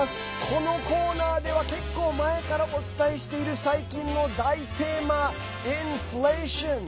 このコーナーでは結構前からお伝えしている最近の大テーマインフレーション！